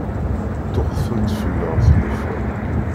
Ṭṭuqqtent-d fell-aɣ tlufa.